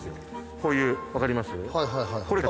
こういう分かります？